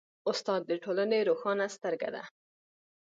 استاد د ټولنې روښانه سترګه ده.